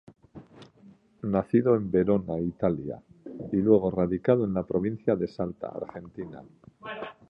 Nacido en Verona, Italia, y luego radicado en la provincia de Salta, Argentina.